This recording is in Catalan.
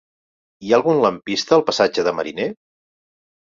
Hi ha algun lampista al passatge de Mariné?